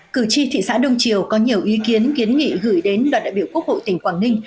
cử tri thị xã đông triều có nhiều ý kiến kiến nghị gửi đến đoàn đại biểu quốc hội tỉnh quảng ninh